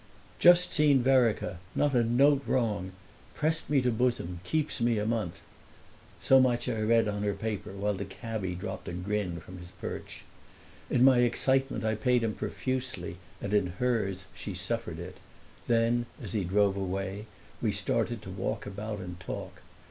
"Just seen Vereker—not a note wrong. Pressed me to bosom—keeps me a month." So much I read on her paper while the cabby dropped a grin from his perch. In my excitement I paid him profusely and in hers she suffered it; then as he drove away we started to walk about and talk.